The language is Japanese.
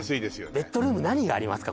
ベッドルーム何がありますか？